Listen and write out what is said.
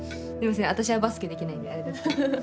私はバスケできないんであれですけど。